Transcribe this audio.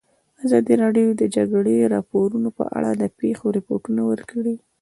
ازادي راډیو د د جګړې راپورونه په اړه د پېښو رپوټونه ورکړي.